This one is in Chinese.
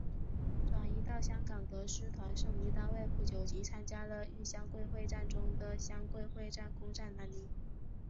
转移到香港的师团剩余单位不久即参加了豫湘桂会战中的湘桂会战攻占南宁。